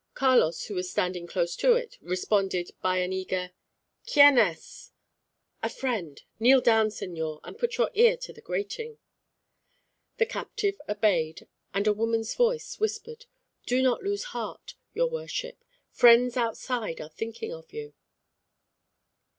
Carlos, who was standing close to it, responded by an eager "Chien es?" "A friend. Kneel down, señor, and put your ear to the grating." The captive obeyed, and a woman's voice whispered, "Do not lose heart, your worship. Friends outside are thinking of you."